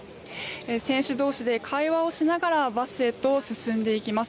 選手同士で会話をしながらバスへと進んでいきます。